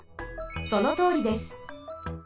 そのとおりです。